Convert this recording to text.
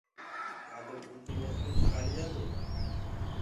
گآڌو ڀوڪي مي سوڪَ ڪآلي جآنٚدوئي